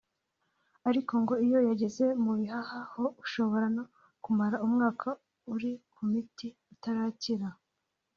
ariko ngo iyo yageze mu bihaha ho ushobora no kumara umwaka uri ku miti utarakira